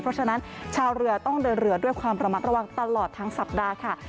เพราะฉะนั้นชาวเรือต้องเดินเรือด้วยความระมัดระวังตลอดทั้งสัปดาห์ค่ะ